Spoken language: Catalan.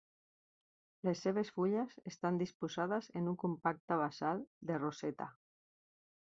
Les seves fulles estan disposades en un compacte basal de roseta.